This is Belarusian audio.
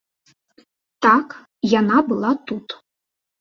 Так, яна была тут.